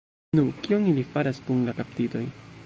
Nu, kion ili faras kun la kaptitoj?